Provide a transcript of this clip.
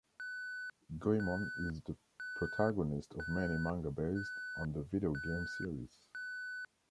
Goemon is the protagonist of many manga based on the videogame series.